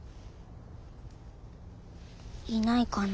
いないかな。